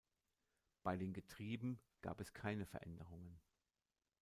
Bei den Getrieben gab es keine Veränderungen.